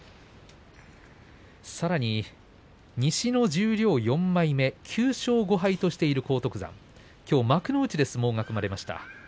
さらに西の十両４枚目９勝５敗としている荒篤山、きょう幕内で相撲が組まれました。